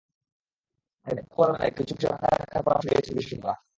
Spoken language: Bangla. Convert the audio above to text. তাই মেকআপ করার বেলায় কিছু বিষয় মাথায় রাখার পরামর্শ দিয়েছেন বিশেষজ্ঞরা।